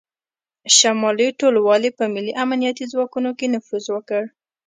شمالي ټلوالې په ملي امنیتي ځواکونو کې نفوذ وکړ